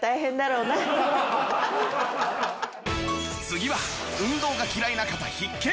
次は運動が嫌いな方必見！